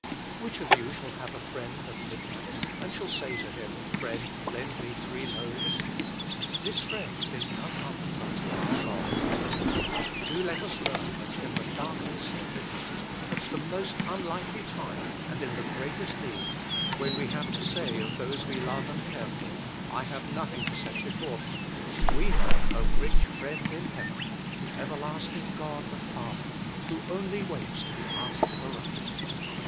" Which of you shall have a friend at midnight, and shall say to him, Friend, lend me three loaves ?" This friend is none other but our God. Do let us learn that in the darkness of midnight, at the most unlikely time, and in the greatest need, when we have to say of those we love and care for, " I have nothing to set before them," we have a rich Friend in heaven, the Everlasting God and Father, who only waits to be asked aright.